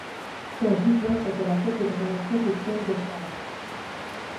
Son gisant est à la Cathédrale Saint-Étienne de Châlons.